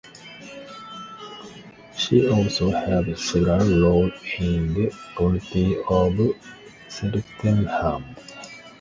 She also held several role in the community of Cheltenham.